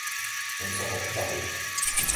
On ne s’entend plus parler.